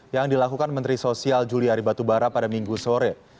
yang dilakukan menteri sosial juliari batubara pada minggu sore